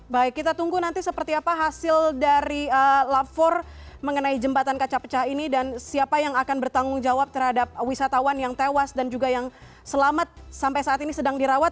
baik kita tunggu nanti seperti apa hasil dari lapor mengenai jembatan kaca pecah ini dan siapa yang akan bertanggung jawab terhadap wisatawan yang tewas dan juga yang selamat sampai saat ini sedang dirawat